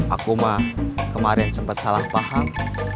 aku mah kemaren sempet salah paham